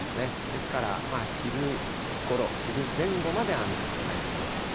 ですから昼ごろ、昼前後まで雨となりそうです。